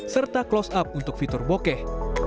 serta close up untuk fitur bokeh